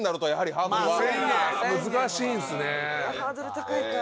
ハードル高いか。